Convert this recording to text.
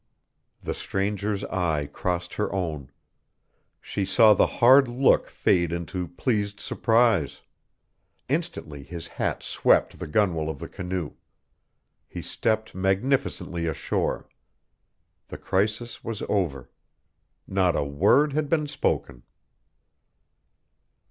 The stranger's eye crossed her own. She saw the hard look fade into pleased surprise. Instantly his hat swept the gunwale of the canoe. He stepped magnificently ashore. The crisis was over. Not a word had been spoken.